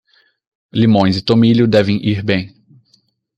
Limões e tomilho devem ir bem.